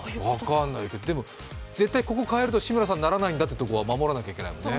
でも絶対ここ変えると志村さんにならないんだというのは守らないといけないですね。